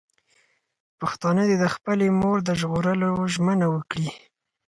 پښتانه دې د خپلې مور د ژغورلو ژمنه وکړي.